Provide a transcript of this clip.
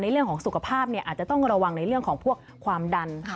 เรื่องของสุขภาพอาจจะต้องระวังในเรื่องของพวกความดัน